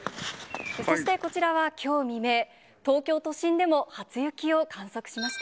そして、こちらはきょう未明、東京都心でも初雪を観測しました。